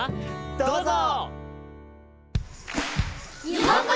どうぞ！